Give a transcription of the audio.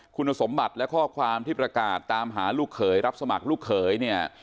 คุณสมบัติและข้อความที่ประกาศตามหาลูกเขยรับสมัครลูกเขยเนี่ย